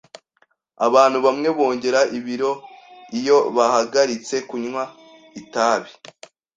Abantu bamwe bongera ibiro iyo bahagaritse kunywa itabi.